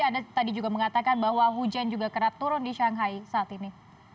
anda tadi juga mengatakan bahwa hujan juga kerap turun di shanghai saat ini